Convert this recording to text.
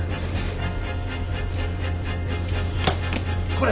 これ。